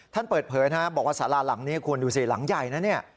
ท่านเปิดเผยบอกว่าสาราหลังนี้คุณดูสิหลังใหญ่นะเนี่ย